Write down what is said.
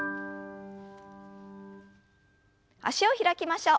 脚を開きましょう。